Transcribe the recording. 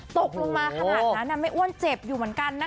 ตกลงมาขนาดนั้นแม่อ้วนเจ็บอยู่เหมือนกันนะคะ